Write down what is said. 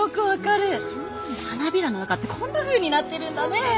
花びらの中ってこんなふうになってるんだね！